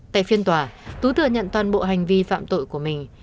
tại phiên tòa tú thừa nhận toàn bộ hành vi phạm tội của mình